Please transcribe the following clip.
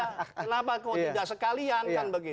kenapa kok tidak sekalian kan begitu